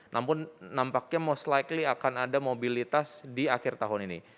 namun nampaknya most likely akan ada mobilitas di akhir tahun ini